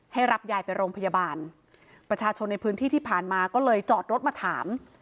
ให้รับยายไปโรงพยาบาลประชาชนในพื้นที่ที่ผ่านมาก็เลยจอดรถมาถาม